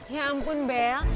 ya ampun bel